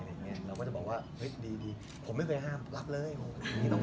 เราก็จะบอกว่าเฮ้ยดีผมไม่เคยห้ามรับเลยโอ้โหตรงนี้ต้องรับ